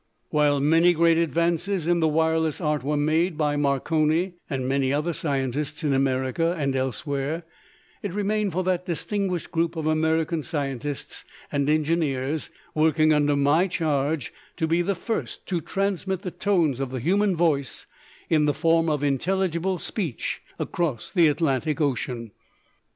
While many great advances in the wireless art were made by Marconi and many other scientists in America and elsewhere, it remained for that distinguished group of American scientists and engineers working under my charge to be the first to transmit the tones of the human voice in the form of intelligible speech across the Atlantic Ocean.